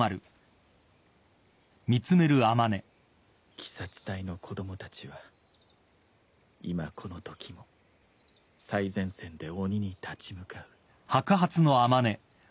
鬼殺隊の子供たちは今このときも最前線で鬼に立ち向かう。